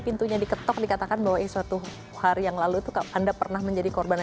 pintunya diketok dikatakan bahwa suatu hari yang lalu itu anda pernah menjadi korban